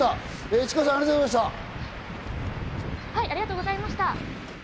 市川さん、ありがとうございました。